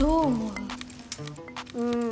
うん。